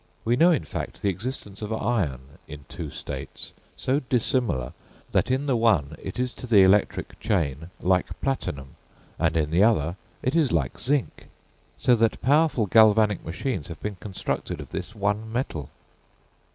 We know in fact the existence of iron in two states, so dissimilar, that in the one, it is to the electric chain like platinum, and in the other it is like zinc; so that powerful galvanic machines have been constructed of this one metal.